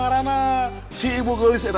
karena si ibu gelis